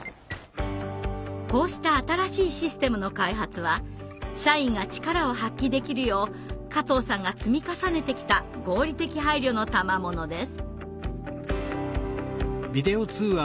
こうした新しいシステムの開発は社員が力を発揮できるよう加藤さんが積み重ねてきた合理的配慮のたまものです。